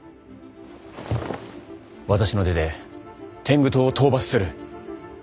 私の手で天狗党を討伐する。